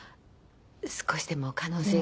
少しでも可能性が。